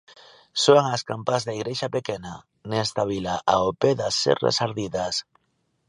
Soan as campás da Igrexa pequena, nesta vila ao pé das serras ardidas.